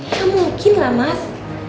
ya mungkin lah mas